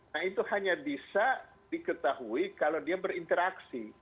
nah itu hanya bisa diketahui kalau dia berinteraksi